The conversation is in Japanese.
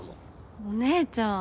お姉ちゃん。